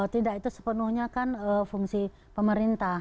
tidak itu sepenuhnya kan fungsi pemerintah